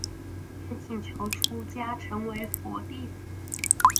便请求出家成为佛弟子。